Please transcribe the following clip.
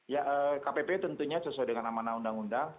ya kpp tentunya sesuai dengan amanah undang undang